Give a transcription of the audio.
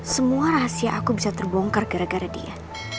semua rahasia aku bisa terbongkar gara gara dia